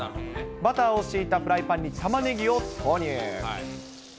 バターを敷いたフライパンにタマネギを投入。